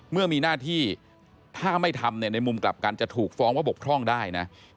เมื่อมีหน้าที่ถ้าไม่ทำในมุมกลับกันจะถูกฟ้องว่าบกพร่องได้นะ